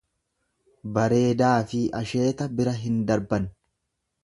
Bareedaafi asheeta bira hin darban.